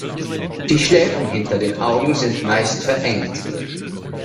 Die Schläfen hinter den Augen sind meist verengt.